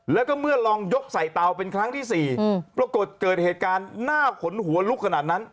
แล้วก็เมื่อลองยกใส่เตาเป็นครั้งที่๔ปรากฏเกิดเหตุการณ์หน้าขนหัวลุกขนาดนั้น